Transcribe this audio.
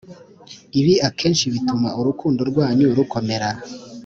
ibi akenshi bituma urukundo rwanyu rukomera.